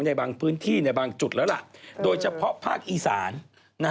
ในบางพื้นที่ในบางจุดแล้วล่ะโดยเฉพาะภาคอีสาน